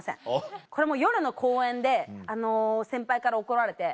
これ夜の公園で先輩から怒られて。